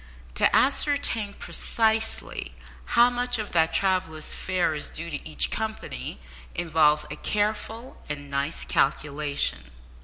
To ascertain precisely how much of that traveller's fare is due to each company involves a careful and nice calculation.